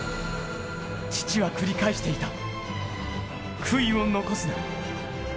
父は繰り返していた「悔いを残すな」。